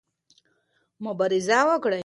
مبارزه وکړئ.